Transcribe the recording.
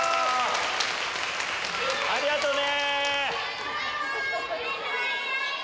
ありがとうね！